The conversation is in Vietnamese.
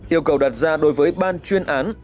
yêu cầu đặt ra đối với ban chuyên án